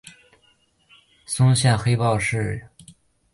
松下黑豹是一支位于日本大阪府枚方市的男子排球俱乐部。